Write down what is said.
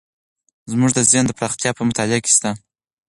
زموږ د ذهن پراختیا په مطالعه کې شته.